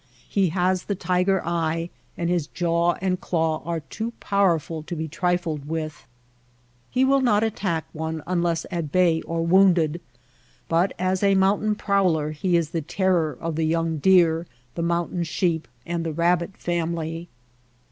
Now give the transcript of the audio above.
He has the tiger eye, and his jaw and claw are too powerful to be trifled with. He will not attack one unless at bay or wounded ; but as a moun tain prowler he is the terror of the young deer, the mountain sheep, and the rabbit family.